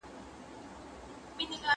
لیک د زهشوم له خوا کيږي،